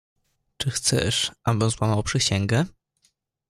"Czy chcesz, abym złamał przysięgę?"